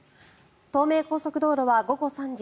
東名高速道路は午後３時